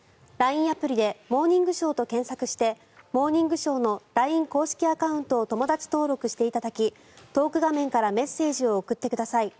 アプリで「モーニングショー」と検索をして「モーニングショー」のＬＩＮＥ公式アカウントを友だち登録していただきトーク画面からメッセージを送ってください。